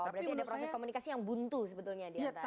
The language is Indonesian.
berarti ada proses komunikasi yang buntu sebetulnya di antara